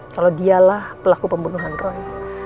kalau dialah pelaku pembunuhan roy